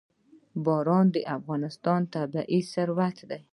باران د افغانستان طبعي ثروت دی.